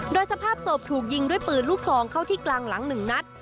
โดยสภาพศพถูกยิงด้วยปืนลูกซองเข้าที่กลางหลัง๑นัด